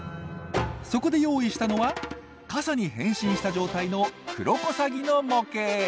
そこで用意したのは傘に変身した状態のクロコサギの模型！